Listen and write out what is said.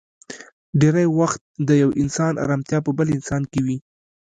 ډېری وخت د يو انسان ارمتيا په بل انسان کې وي.